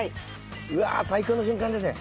うわっ最高の瞬間ですね。